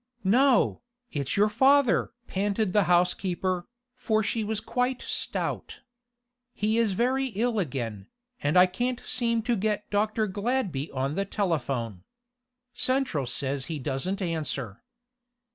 "No, it's your father!" panted the housekeeper, for she was quite stout. "He is very ill again, and I can't seem to get Dr. Gladby on the telephone. Central says he doesn't answer."